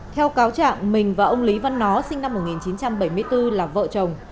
theo cáo trạng mình và ông lý văn nó sinh năm một nghìn chín trăm bảy mươi bốn là vợ chồng